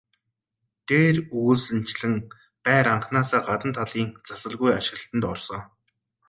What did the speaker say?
Дээр өгүүлсэнчлэн байр анхнаасаа гадна талын засалгүй ашиглалтад орсон.